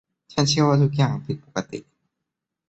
ฉันเชื่อว่าทุกอย่างผิดปกติ